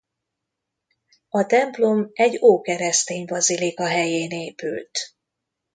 A templom egy ókeresztény bazilika helyén épült.